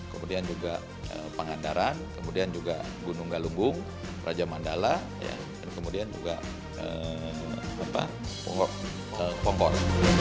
kemudian juga pangandaran kemudian juga gunung galunggung raja mandala kemudian juga pohok pongkor